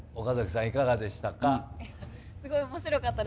岡崎さん、いかがでしたか。